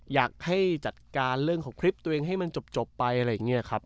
อยากให้จัดการเรื่องของคลิปตัวเองให้มันจบไปอะไรอย่างนี้ครับ